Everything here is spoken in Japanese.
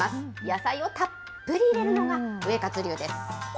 野菜をたっぷり入れるのがウエカツ流です。